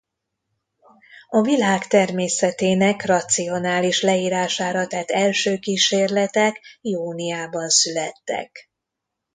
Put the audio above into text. A világ természetének racionális leírására tett első kísérletek Ióniában születtek.